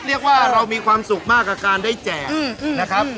เรียกว่าเรามีความสุขมากกับการได้แจกนะครับ